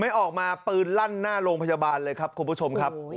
ไม่ออกมาปืนลั่นหน้าโรงพยาบาลเลยครับคุณผู้ชมครับ